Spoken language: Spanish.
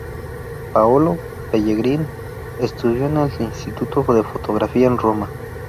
Paolo Pellegrin estudió en el Instituto de Fotografía en Roma.